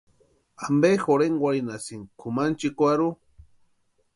¿Ampe jorhenkwarhinhasïni kʼumanchikwarhu?